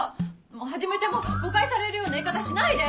もうはじめちゃんも誤解されるような言い方しないで！